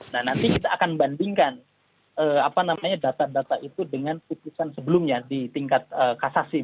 nah nanti kita akan bandingkan data data itu dengan putusan sebelumnya di tingkat kasasi